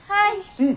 うん。